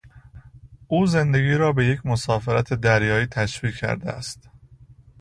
او زندگی را به یک مسافرت دریایی تشبیه کرده است.